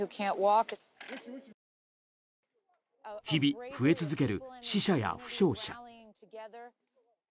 日々、増え続ける死者や負傷者。